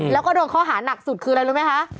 แล้วก็โดนข้อหานักสุดคืออะไรรู้ไหมคะ